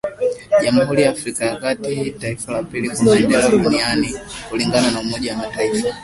Jamhuri ya Afrika ya kati, taifa la pili kwa maendeleo duni duniani kulingana na umoja wa mataifa